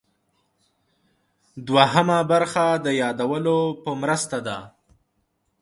دوهمه برخه د یادولو په مرسته ده.